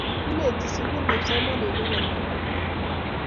ineti sukul kipsomaninik kunaikei